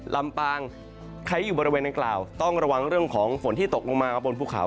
ลำปางใครอยู่บริเวณดังกล่าวต้องระวังเรื่องของฝนที่ตกลงมาบนภูเขา